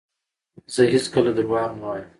زه هیڅکله درواغ نه وایم.